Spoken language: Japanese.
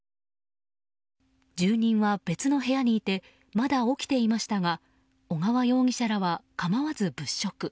住人は別の部屋にいてまだ起きていましたが小川容疑者らは構わず物色。